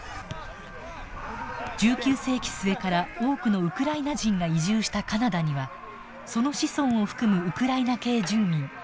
１９世紀末から多くのウクライナ人が移住したカナダにはその子孫を含むウクライナ系住民